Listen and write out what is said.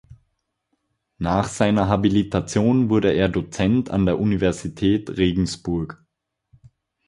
Nach seiner Habilitation wurde er Dozent an der Universität Regensburg.